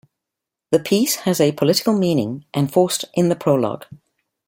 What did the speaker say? The piece has a political meaning, enforced in the prologue.